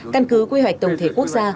căn cứ quy hoạch tổng thể quốc gia